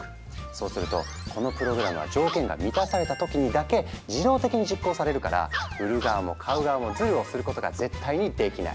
そうするとこのプログラムは条件が満たされた時にだけ自動的に実行されるから売る側も買う側もズルをすることが絶対にできない。